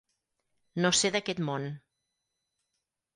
No ser d'aquest món.